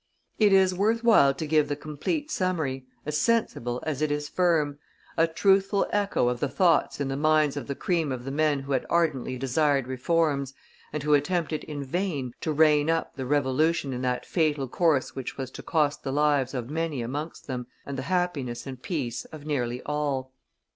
It is worth while to give the complete summary, as sensible as it is firm, a truthful echo of the thoughts in the minds of the cream of the men who had ardently desired reforms, and who attempted in vain to rein up the revolution in that fatal course which was to cost the lives of many amongst them, and the happiness and peace of nearly all.